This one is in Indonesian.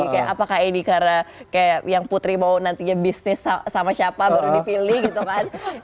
kayak apakah ini karena kayak yang putri mau nantinya bisnis sama siapa baru dipilih gitu kan